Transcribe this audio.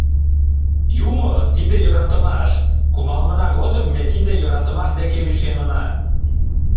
— Юмо — тиде йӧратымаш, кумалмына годым ме тиде йӧратымаш деке лишемына.